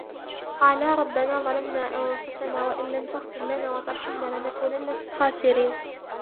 قالا ربنا ظلمنا أنفسنا وإن لم تغفر لنا وترحمنا لنكونن من الخاسرين